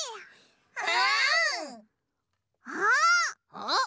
あっ！